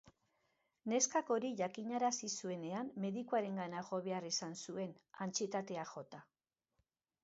Neskak hori jakinarazi zuenean, medikuarengana jo behar izan zuen, antsietateak jota.